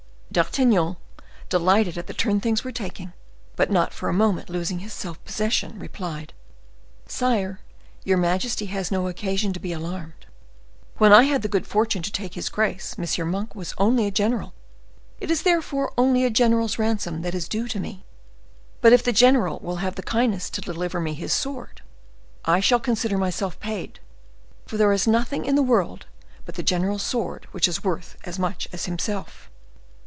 D'Artagnan, delighted at the turn things were taking, but not for a moment losing his self possession, replied,—"Sire, your majesty has no occasion to be alarmed. When I had the good fortune to take his grace, M. Monk was only a general; it is therefore only a general's ransom that is due to me. But if the general will have the kindness to deliver me his sword, I shall consider myself paid; for there is nothing in the world but the general's sword which is worth as much as himself."